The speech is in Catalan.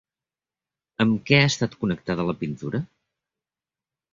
Amb què ha estat connectada la pintura?